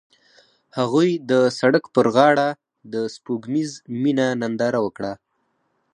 هغوی د سړک پر غاړه د سپوږمیز مینه ننداره وکړه.